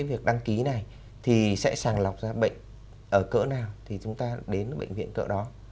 việc đăng ký này thì sẽ sàng lọc ra bệnh ở cỡ nào thì chúng ta đến bệnh viện cỡ đó